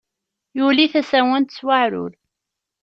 Yuli tasawent s waɛrur.